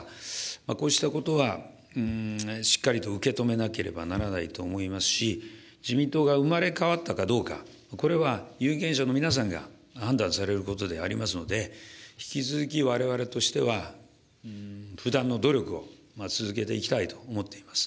こうしたことは、しっかりと受け止めなければならないと思いますし、自民党が生まれ変わったかどうか、これは有権者の皆さんが判断されることでありますので、引き続きわれわれとしては、不断の努力を続けていきたいと思っています。